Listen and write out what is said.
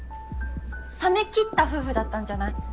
冷め切った夫婦だったんじゃない？